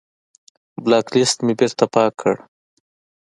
بلاک لست مې بېرته پاک کړ.